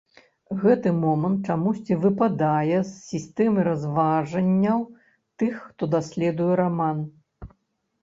Гэты момант чамусьці выпадае з сістэмы разважанняў тых, хто даследуе раман.